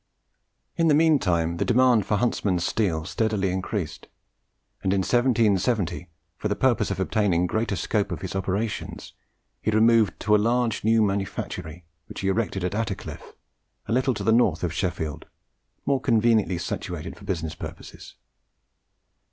In the mean time the demand for Huntsman's steel steadily increased, and in 1770, for the purpose of obtaining greater scope for his operations, he removed to a large new manufactory which he erected at Attercliffe, a little to the north of Sheffield, more conveniently situated for business purposes.